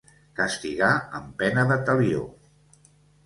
Castigar amb pena de talió.